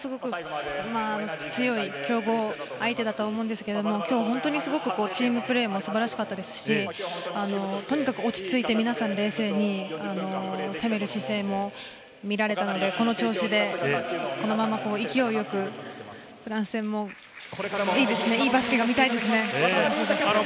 強い相手だと思うんですけれども今日、すごくチームプレーも素晴らしかったですし、とにかく落ち着いて皆さん冷静に攻める姿勢も見られたので、この調子でこのまま勢いよくフランス戦も、いいバスケが見たいですよね。